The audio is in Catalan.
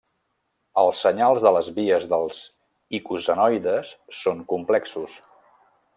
Els senyals de les vies dels icosanoides són complexos.